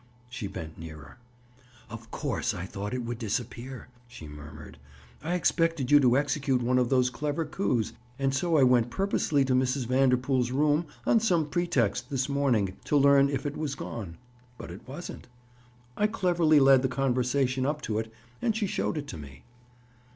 She bent nearer. "Of course I thought it would disappear," she murmured. "I expected you to execute one of those clever coups, and so I went purposely to Mrs. Vanderpool's room on some pretext this morning to learn if it was gone. But it wasn't. I cleverly led the conversation up to it and she showed it to me."